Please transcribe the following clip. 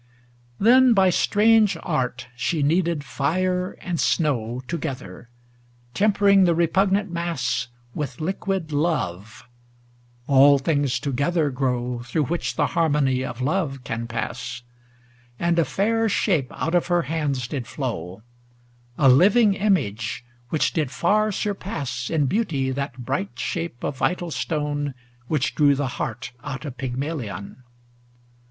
XXXV Then by strange art she kneaded fire and snow Together, tempering the repugnant mass With liquid love ŌĆö all things together grow Through which the harmony of love can pass: And a fair Shape out of her hands did flow, A living Image, which did far surpass In beauty that bright shape of vital stone Which drew the heart out of Pygmalion.